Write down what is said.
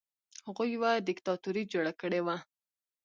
هغوی یوه دیکتاتوري جوړه کړې وه.